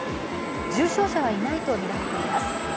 重傷者はいないとみられています。